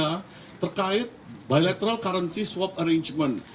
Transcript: yang terkait bilateral currency swap arrangement